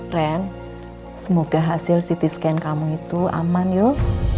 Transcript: ren semoga hasil ct scan kamu itu aman yuk